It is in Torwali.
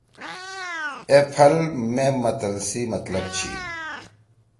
اے پھل مے متل سی مطلب چھی۔